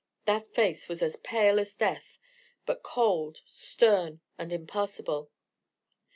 That face was as pale as death: but cold, stern, and impassible.